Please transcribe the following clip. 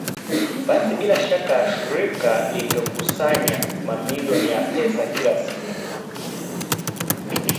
basi bila shaka shirika lingekusanya mamilioni ya pesa kila siku